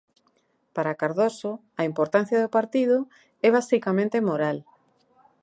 Para Cardoso, a importancia do partido é basicamente moral.